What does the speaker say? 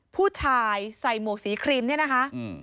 ผู้ชายใส่หมวกสีครีมเนี่ยนะคะ